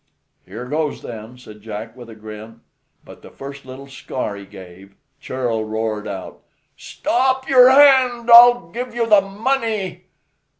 "Here goes, then," said Jack with a grin; but the first little scar he gave, Churl roared out, "Stop your hand; I'll give the money."